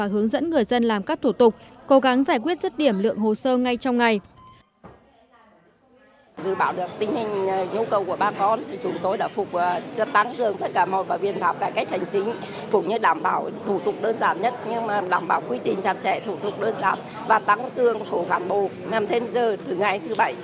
hướng dẫn người dân làm các thủ tục cố gắng giải quyết dứt điểm lượng hồ sơ ngay trong ngày